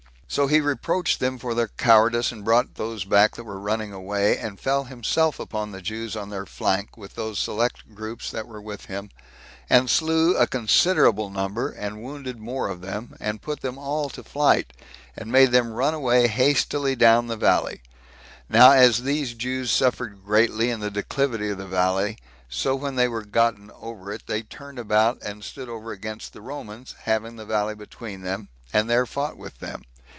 So he reproached them for their cowardice, and brought those back that were running away, and fell himself upon the Jews on their flank, with those select troops that were with him, and slew a considerable number, and wounded more of them, and put them all to flight, and made them run away hastily down the valley. Now as these Jews suffered greatly in the declivity of the valley, so when they were gotten over it, they turned about, and stood over against the Romans, having the valley between them, and there fought with them.